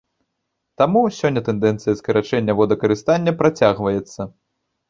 Таму, сёння тэндэнцыя скарачэння водакарыстання працягваецца.